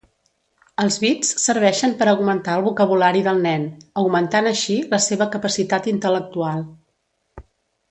Els bits serveixen per augmentar el vocabulari del nen, augmentant així, la seva capacitat intel·lectual.